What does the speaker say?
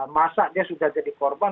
masa dia sudah jadi korban